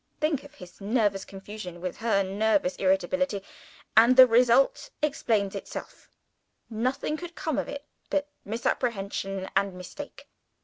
Think of his nervous confusion in collision with her nervous irritability and the result explains itself: nothing could come of it but misapprehension and mistake.